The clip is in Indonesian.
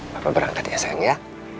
papa berangkat ya sayang ya